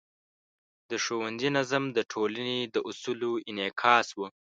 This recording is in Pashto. د ښوونځي نظم د ټولنې د اصولو انعکاس و.